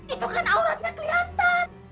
itu kan auratnya kelihatan